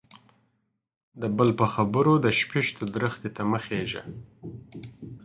د بل په خبرو د شپيشتو درختي ته مه خيژه.